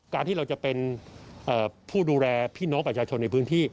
การที่เราจะเป็นผู้ดูแลพี่น้องประชาชนในพื้นที่